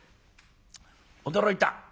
驚いた。